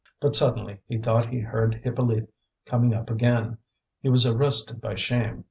But suddenly he thought he heard Hippolyte coming up again. He was arrested by shame.